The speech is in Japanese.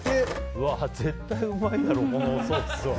うわ、絶対うまいだろこのソース。